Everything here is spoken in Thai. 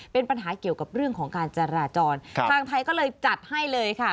เป็นปัญหาเกี่ยวกับเรื่องของการจราจรทางไทยก็เลยจัดให้เลยค่ะ